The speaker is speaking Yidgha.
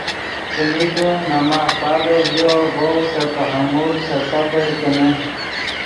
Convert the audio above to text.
څیمی کہ نے ماف پادو ژیو ڤؤ سے تحمل سے صبر کینے